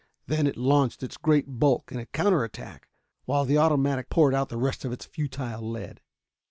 Then it launched its great bulk in a counter attack, while the automatic poured out the rest of its futile lead.